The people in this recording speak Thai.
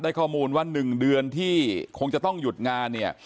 ข้อมูลว่า๑เดือนที่คงจะต้องหยุดงานเนี่ย